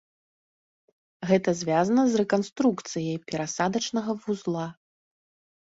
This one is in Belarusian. Гэта звязана з рэканструкцыяй перасадачнага вузла.